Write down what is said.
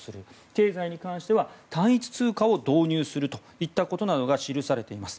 経済に関しては単一通貨を導入するなどが記されています。